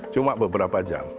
cuma beberapa jam